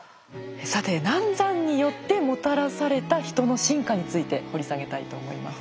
さて難産によってもたらされたヒトの進化について掘り下げたいと思います。